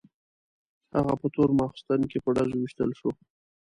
هغه په تور ماخستن کې په ډزو وویشتل شو.